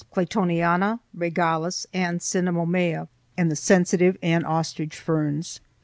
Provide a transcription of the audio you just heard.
claytoniana, regalis_, and cinnamomea) and the sensitive and ostrich ferns.